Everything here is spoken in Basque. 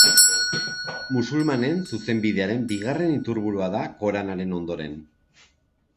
Musulmanen zuzenbidearen bigarren iturburua da Koranaren ondoren.